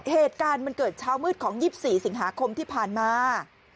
เหตุการณ์มันเกิดเช้ามืดของ๒๔สิงหาคมที่ผ่านมา